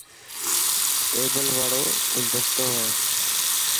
ٽيبل واڙو گلدستو هي.